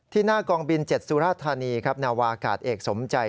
ที่หน้ากองบิน๗สุรธนีย์นาวากาศเอกสมใจ